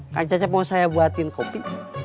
kang cacep mau saya buatin kopi